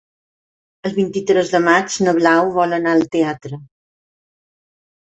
El vint-i-tres de maig na Blau vol anar al teatre.